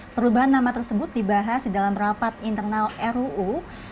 perubahan nama tersebut dibahas di dalam rapat internal ruu